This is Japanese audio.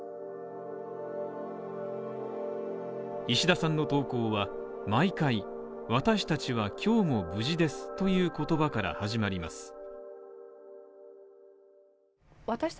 石田さんの投稿は毎回「私たちは今日も無事です」という言葉から始まります。